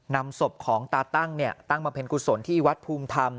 นำศพของตาตั้งตั้งบำเพ็ญกุศลที่วัดภูมิธรรม